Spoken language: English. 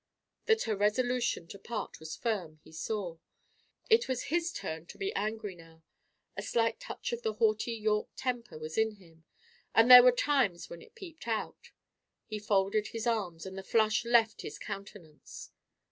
That her resolution to part was firm, he saw. It was his turn to be angry now. A slight touch of the haughty Yorke temper was in him, and there were times when it peeped out. He folded his arms, and the flush left his countenance.